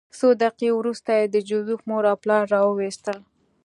څو دقیقې وروسته یې د جوزف مور او پلار راوویستل